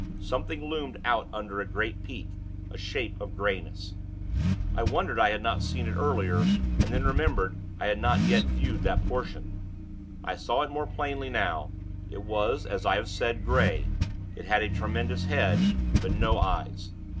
Something loomed out under a great peak, a shape of greyness. I wondered I had not seen it earlier, and then remembered I had not yet viewed that portion. I saw it more plainly now. It was, as I have said, grey. It had a tremendous head; but no eyes.